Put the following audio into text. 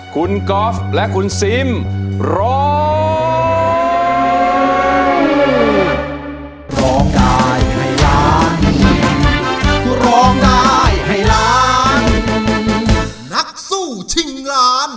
คุณก๊อฟและคุณซิมร้อง